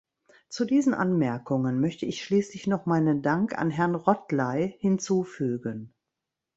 Zu diesen Anmerkungen möchte ich schließlich noch meinen Dank an Herrn Rothley hinzufügen.